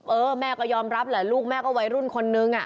เออแม่ก็ยอมรับแหละลูกแม่ก็วัยรุ่นคนนึง